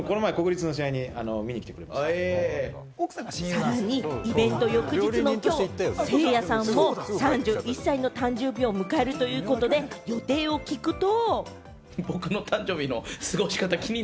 さらにイベント翌日のきょう、せいやさんも３１歳の誕生日を迎えるということで予定を聞くと。